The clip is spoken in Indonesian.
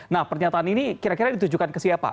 nah pernyataan ini kira kira ditujukan ke siapa